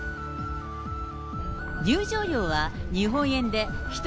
入場料は日本円で１人